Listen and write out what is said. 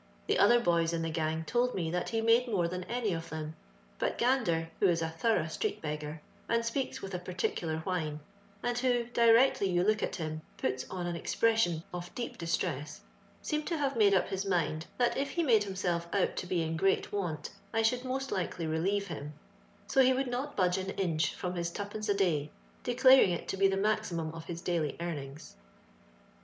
The other boys in the gang told me that he made more than any of them. But Gander, who is a thorough street beggar, and speaks with a peculiar whine, and who, directly you look at him, puts on an expression of deep distress, seemed to have made up his mind, that if he made himself out to be in great want I should most likely relieve him — so he would not budge an inch from his twopence a day, declaring it to be the maximum of his daily earnings.